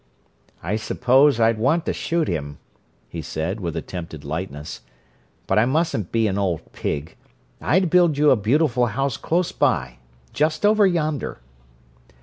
"I suppose I'd want to shoot him," he said, with attempted lightness. "But I mustn't be an old pig. I'd build you a beautiful house close by—just over yonder."